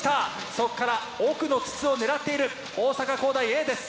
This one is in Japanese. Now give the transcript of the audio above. そこから奥の筒を狙っている大阪公大Ａです。